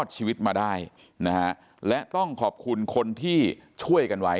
ชีวิตมาได้นะฮะและต้องขอบคุณคนที่ช่วยกันไว้